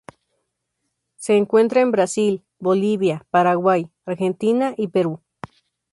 Se encuentra en Brasil, Bolivia, Paraguay, Argentina y Perú.